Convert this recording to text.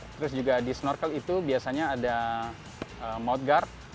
terus juga di snorkel itu biasanya ada mouth guard